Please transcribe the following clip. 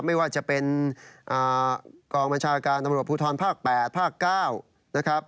ไม่ว่าจะเป็นกองบัญชาการตำรวจภูทรภาค๘ภาค๙นะครับ